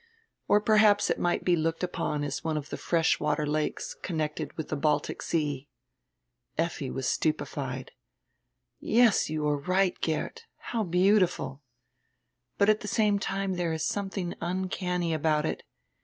Or perhaps it might be looked upon as one of the fresh water lakes connected witii die Baltic Sea. Effi was stupefied. "Yes, you are right, Geert, how beau tiful! But at die same time diere is something uncanny about it.